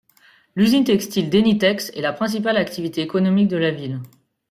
L'usine textile Denitex est la principale activité économique de la ville.